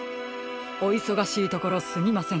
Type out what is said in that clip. おいそがしいところすみません。